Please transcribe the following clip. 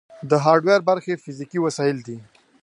د هارډویر برخې فزیکي وسایل دي.